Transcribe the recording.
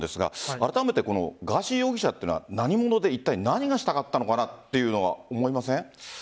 あらためてガーシー容疑者というのは何者でいったい何がしたかったのかなというのは思いません？